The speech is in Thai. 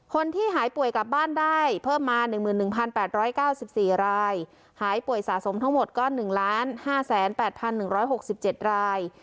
คนที่หายป่วยกลับบ้านได้เพิ่มมาหนึ่งหมื่นหนึ่งพันแปดร้อยเก้าสิบสี่รายหายป่วยสะสมทั้งหมดก็หนึ่งล้านห้าแสนแปดพันหนึ่งร้อยหกสิบเจ็ดราย